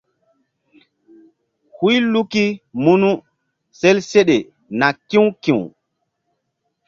Huy luki munu sel seɗe na ki̧w ki̧w.